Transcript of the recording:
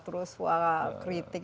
terus wah kritik